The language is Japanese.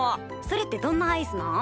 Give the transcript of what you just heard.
それってどんなアイスなん？